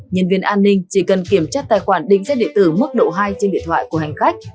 nhân viên an ninh chỉ cần kiểm tra tài khoản định danh điện tử mức độ hai trên điện thoại của hành khách